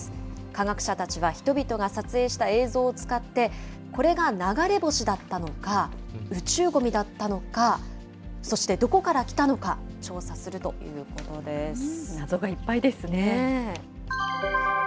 科学者たちは人々が撮影した映像を使って、これが流れ星だったのか、宇宙ごみだったのか、そしてどこから来たのか、調査するとい謎がいっぱいですね。